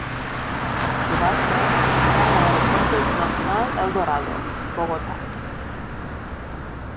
Su base está en el Aeropuerto Internacional El Dorado, Bogotá.